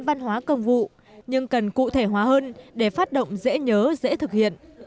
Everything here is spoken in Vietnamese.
văn hóa công vụ nhưng cần cụ thể hóa hơn để phát động dễ nhớ dễ thực hiện